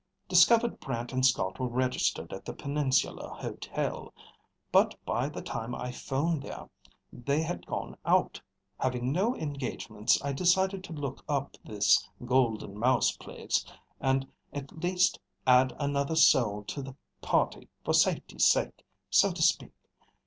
Discovered Brant and Scott were registered at the Peninsular Hotel. But by the time I phoned there, they had gone out. Having no engagements, I decided to look up this Golden Mouse place and at least add another soul to the party for safety's sake, so to speak.